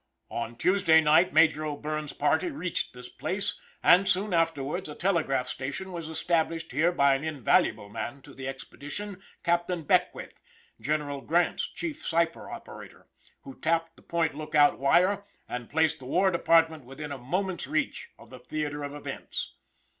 On Tuesday night, Major O'Bierne's party reached this place, and soon afterwards, a telegraph station was established here by an invaluable man to the expedition, Captain Beckwith, General Grant's chief cypher operator, who tapped the Point Lookout wire, and placed the War Department within a moment's reach of the theater of events.